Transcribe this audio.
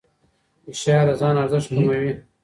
فشار د ځان ارزښت کموي.